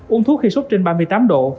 uống thuốc khi sốt trên ba mươi tám độ